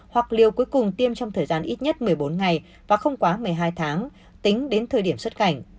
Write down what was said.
hoặc liều cuối cùng tiêm trong thời gian ít nhất một mươi bốn ngày và không quá một mươi hai tháng tính đến thời điểm xuất cảnh